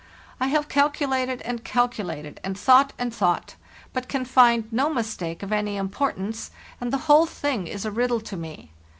I have calculated and calculated and thought and thought, but can find no mistake of any importance, and the whole thing is a riddle to me.